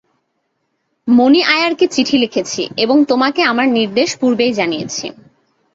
মণি আয়ারকে চিঠি লিখেছি এবং তোমাকে আমার নির্দেশ পূর্বেই জানিয়েছি।